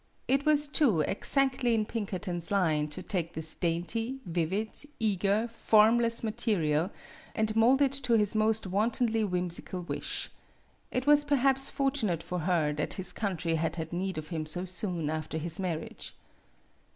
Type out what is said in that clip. It was, too, exactly in Pinkerton's line to take this dainty, vivid, eager, form less material, and mold it to his most wan tonly whimsical wish. It was perhaps for tunate for her that his country had had need of him so soon after his marriage.